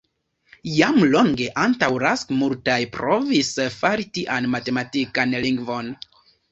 Jam longe antaŭ Rask multaj provis fari tian matematikan lingvon.